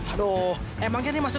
aduh emangnya ini masih kurang